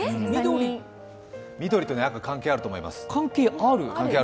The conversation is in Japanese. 緑と赤、関係あると思います。